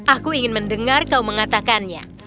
aku ingin mendengar kau mengatakannya